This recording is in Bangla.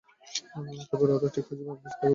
তবে, রাধে ঠিক হয়ে যাবে, আপনি চিন্তা করবে না।